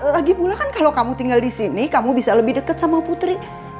lagipula kan kalau kamu tinggal di sini kamu bisa lebih deket sama putri